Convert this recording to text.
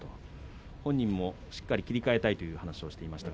本人もしっかり切り替えたいと言っていました。